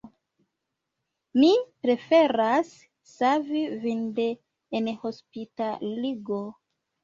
Mi preferas savi vin de enhospitaligo.